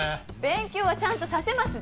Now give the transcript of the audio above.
勉強はちゃんとさせます。